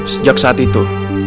sejak saat itu